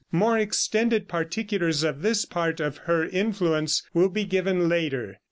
More extended particulars of this part of her influence will be given later.